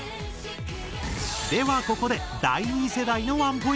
ではここで第２世代のワンポイント。